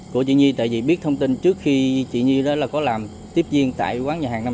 của chị nhi tại vì biết thông tin trước khi chị nhi đó là có làm tiếp viên tại quán nhà hàng năm